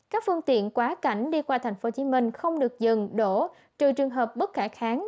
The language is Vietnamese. các phương tiện quá cảnh đi qua tp hcm không được dừng đổ trừ trường hợp bất khả kháng